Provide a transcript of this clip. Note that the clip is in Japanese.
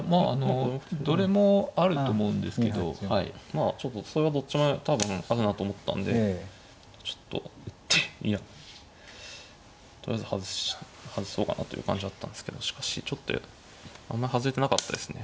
まあちょっとそれはどっちも多分あるなと思ったんでちょっと打ってとりあえず外そうかなという感じだったんですけどしかしちょっとあんまり外れてなかったですね。